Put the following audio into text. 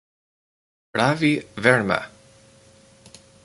Ravi Verma.